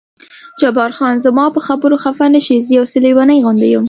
جبار خان: زما په خبرو خفه نه شې، زه یو څه لېونی غوندې یم.